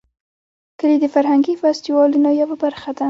کلي د فرهنګي فستیوالونو یوه برخه ده.